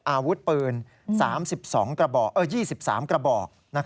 อาวุธปืน๓๒๓กระบอก